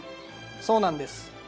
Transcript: そうなんです。